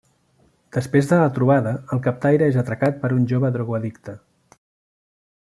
Després de la trobada el captaire és atracat per un jove drogoaddicte.